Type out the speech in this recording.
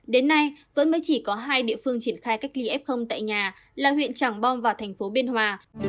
đến nay vẫn mới chỉ có hai địa phương triển khai cách ly f tại nhà là huyện trảng bom và thành phố biên hòa